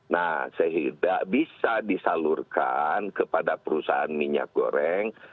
nah sehingga bisa disalurkan kepada perusahaan minyak goreng